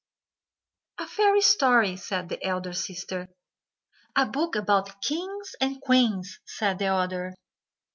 "A fairy story," said the elder sister. "A book about kings and queens," said the other.